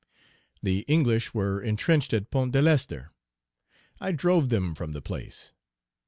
The English were intrenched at Pont de l'Ester; I drove them from the place.